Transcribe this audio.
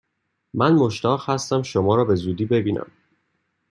من مشتاق هستم شما را به زودی ببینم!